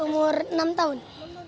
umur enam tahun